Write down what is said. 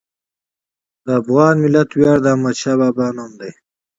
د افغان ملت ویاړ د احمدشاه بابا نوم دی.